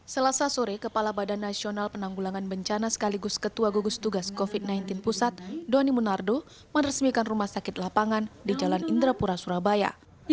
selasa sore kepala badan nasional penanggulangan bencana sekaligus ketua gugus tugas covid sembilan belas pusat doni munardo meresmikan rumah sakit lapangan di jalan indrapura surabaya